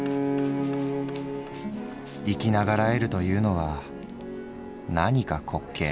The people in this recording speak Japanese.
「生き長らえるというのはなにか滑稽」。